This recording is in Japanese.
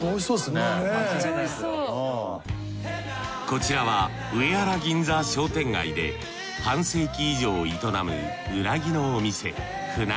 こちらは上原銀座商店街で半世紀以上営むうなぎのお店鮒與。